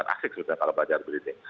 asik sebetulnya kalau belajar berdiri